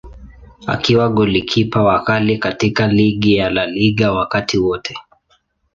Akiwa golikipa wa ghali katika ligi ya La Liga wakati wote.